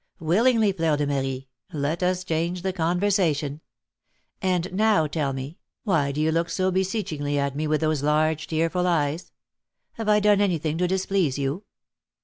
"Willingly, Fleur de Marie; let us change the conversation. And now tell me, why do you look so beseechingly at me with those large, tearful eyes? Have I done anything to displease you?"